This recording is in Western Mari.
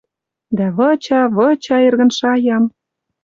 Дӓ выча, выча эргӹн шаям.